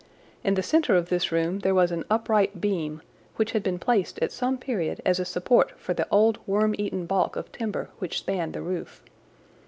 In the centre of this room there was an upright beam, which had been placed at some period as a support for the old worm eaten baulk of timber which spanned the roof.